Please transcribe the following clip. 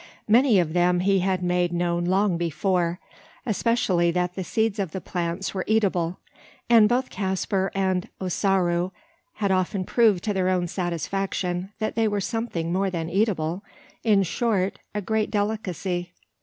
Many of them he had made known long before especially that the seeds of the plant were eatable; and both Caspar and Ossaroo had often proved to their own satisfaction that they were something more than eatable in short, a great delicacy.